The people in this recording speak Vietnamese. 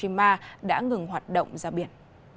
nhà máy đã ngừng hoạt động ra biển